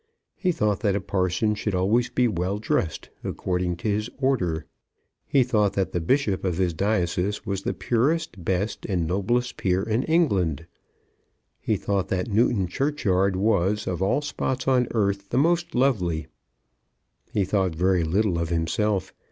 He thought that a parson should always be well dressed, according to his order. He thought that the bishop of his diocese was the purest, best, and noblest peer in England. He thought that Newton Churchyard was, of all spots on earth, the most lovely. He thought very little of himself.